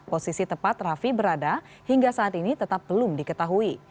posisi tepat rafi berada hingga saat ini tetap belum diketahui